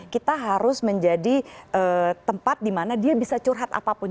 kita harus menjadi tempat dimana dia bisa curhat apapun